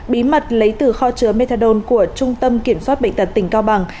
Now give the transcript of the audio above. bí mật lấy từ kho chứa methadone của trung tâm kiểm soát bệnh tật tỉnh cao bằng